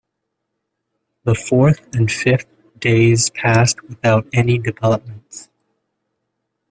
The fourth and fifth days passed without any developments.